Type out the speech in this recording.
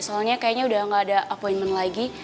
soalnya kayaknya udah gak ada appointment lagi